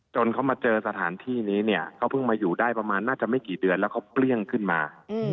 เขามาเจอสถานที่นี้เนี่ยเขาเพิ่งมาอยู่ได้ประมาณน่าจะไม่กี่เดือนแล้วเขาเปรี้ยงขึ้นมา